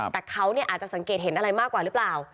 แต่เขาอาจจะสังเกตเห็นอะไรมากกว่าหรือเปล่า